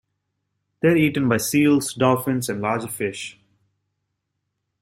They are eaten by seals, dolphins and larger fish.